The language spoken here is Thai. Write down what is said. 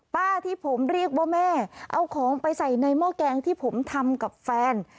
ป้าที่ผมเรียกว่าแม่เอาของไปใส่ในหม้อแกงที่ผมทำกับแฟน